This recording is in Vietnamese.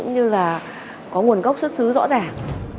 như là có nguồn gốc xuất xứ rõ ràng